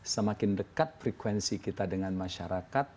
semakin dekat frekuensi kita dengan masyarakat